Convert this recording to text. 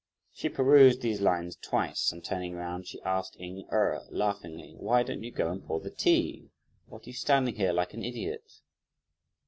She perused these lines twice, and, turning round, she asked Ying Erh laughingly: "Why don't you go and pour the tea? what are you standing here like an idiot!"